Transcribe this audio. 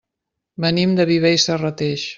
Venim de Viver i Serrateix.